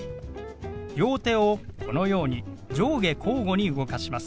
両手をこのように上下交互に動かします。